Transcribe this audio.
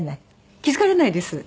気付かれないです。